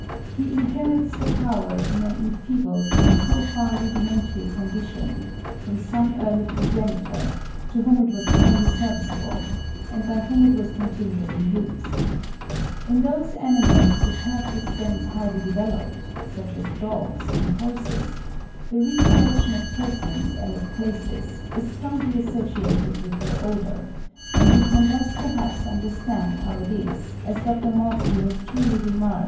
He inherits the power in an enfeebled and so far rudimentary condition, from some early progenitor, to whom it was highly serviceable, and by whom it was continually used. In those animals which have this sense highly developed, such as dogs and horses, the recollection of persons and of places is strongly associated with their odour; and we can thus perhaps understand how it is, as Dr. Maudsley has truly remarked (37.